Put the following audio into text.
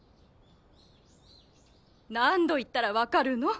何度言ったらわかるの？